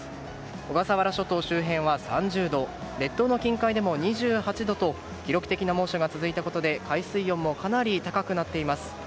小笠原諸島周辺は３０度列島の近海でも２８度と記録的な猛暑が続いたことで海水温もかなり高くなっています。